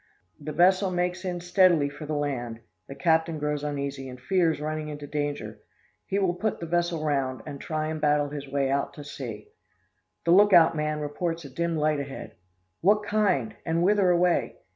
"The vessel makes in steadily for the land; the captain grows uneasy, and fears running into danger; he will put the vessel round, and try and battle his way out to sea. "The look out man reports a dim light ahead. What kind? and whither away?